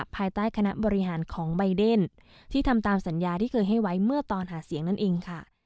ภายใต้คณะบริหารของใบเดนที่ทำตามสัญญาที่เคยให้ไว้เมื่อตอนหาเสียงนั่นเองค่ะ